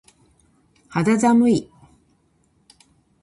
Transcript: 肌寒い。